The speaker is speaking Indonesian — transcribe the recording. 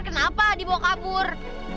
kenapa dibawa kabur